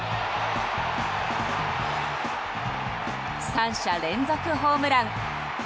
３者連続ホームラン！